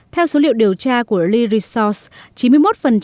theo số liệu điều tra của learysource